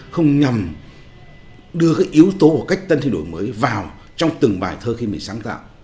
không nhằm đưa cái yếu tố của cách tân thi đổi mới vào trong từng bài thơ khi mình sáng tạo